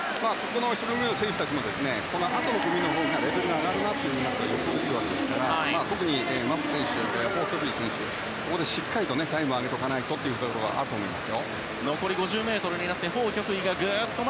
１組目の選手たちもあとの組のほうがレベルが上がるのが予想できるわけですから特に、マス選手やホウ・キョクイ選手はしっかりとタイムを上げておかないとというのがあると思います。